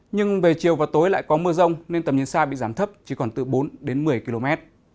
nhưng về chiều và tối lại có mưa rông nên tầm nhìn xa bị giảm thấp chỉ còn từ bốn đến một mươi km